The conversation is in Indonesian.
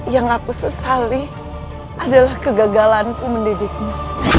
yang aku sesali adalah kegagalanku mendidikmu